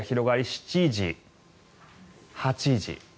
７時、８時。